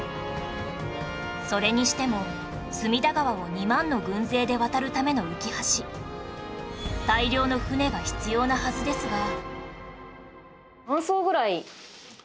それにしても隅田川を２万の軍勢で渡るための浮き橋大量の舟が必要なはずですが